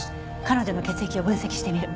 彼女の血液を分析してみる。